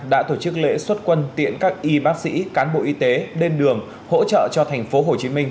đã tổ chức lễ xuất quân tiện các y bác sĩ cán bộ y tế đền đường hỗ trợ cho thành phố hồ chí minh